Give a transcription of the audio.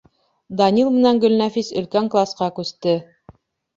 Данил менән Гөлнәфис өлкән класҡа күсте.